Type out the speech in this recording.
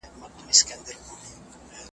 وروستۍ ورځ .